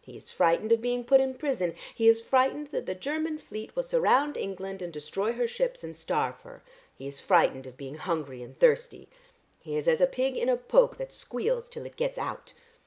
He is frightened of being put in prison. He is frightened that the Cherman fleet will surround England and destroy her ships and starve her. He is frightened of being hungry and thirsty. He is as a pig in a poke that squeals till it gets out."